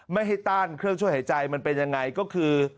ไม่ให้ต้านเครื่องช่วยหายใจมันเป็นยังไงก็คือ